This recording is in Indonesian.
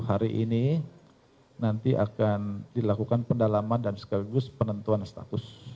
hari ini nanti akan dilakukan pendalaman dan sekaligus penentuan status